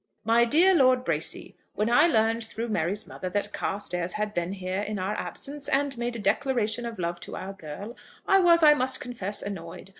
"MY DEAR LORD BRACY, When I learned, through Mary's mother, that Carstairs had been here in our absence and made a declaration of love to our girl, I was, I must confess, annoyed.